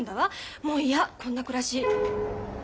もう嫌こんな暮らし。